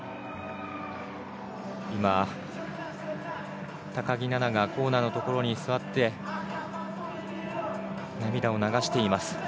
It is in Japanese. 今、高木菜那がコーナーのところに座って涙を流しています。